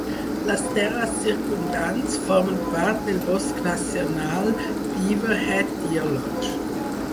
Les terres circumdants formen part del bosc nacional Beaverhead-Deerlodge.